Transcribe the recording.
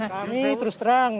kami terus terang